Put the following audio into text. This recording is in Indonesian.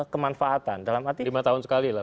kemanfaatan dalam arti lima tahun sekali lah